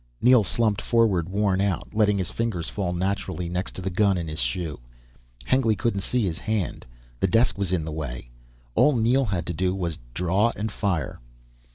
Neel slumped forward, worn out, letting his fingers fall naturally next to the gun in his shoe. Hengly couldn't see his hand, the desk was in the way. All Neel had to do was draw and fire.